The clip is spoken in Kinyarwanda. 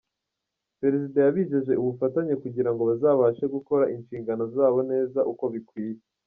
Perezida yabijeje ubufatanye kugira ngo bazabashe gukora inshingano zabo neza uko bikwiye.